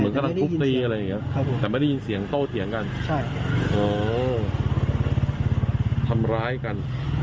ครับค่ะแต่ไม่ได้ยินเสียงโตเถียงกันใช่โอ้ทำร้ายกัน